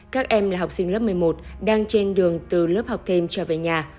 các em là học sinh lớp một mươi một đang trên đường từ lớp học thêm trở về nhà